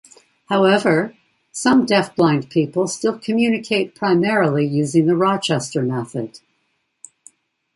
However, some deafblind people still communicate primarily using the Rochester Method.